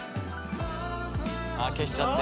ああ消しちゃって。